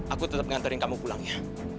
aku tetap nganterin kamu pulangnya